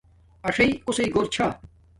اݽݵ کوسݵ گھور چھا